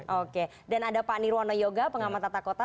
oke dan ada pak nirwono yoga pengamat tata kota